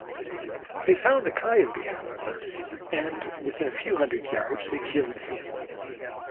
They found a Coyote, however, and within a few hundred yards they killed him.